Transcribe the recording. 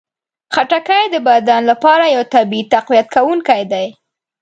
خټکی د بدن لپاره یو طبیعي تقویت کوونکی دی.